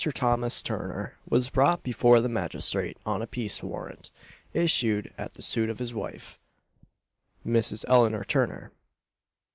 Thomas Turner was brought before the magistrate on a peace warrant, issued at the suit of his wife, Mrs. Eleanor Turner.